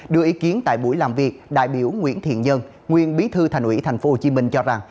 đưa ý kiến tại buổi làm việc đại biểu nguyễn thiện nhân nguyên bí thư thành ủy tp hcm cho rằng